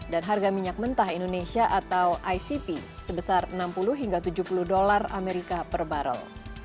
dan harga minyak mentah indonesia atau icp sebesar enam puluh hingga tujuh puluh dolar amerika per barrel